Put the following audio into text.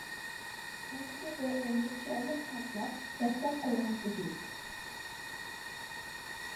ئانىسى بۇ ئۆينى چىرايلىق تازىلاپ، رەتلەپ قويغان ئىدى.